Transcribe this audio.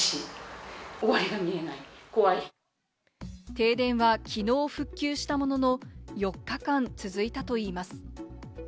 停電はきのう復旧したものの、４日間続いたといいます。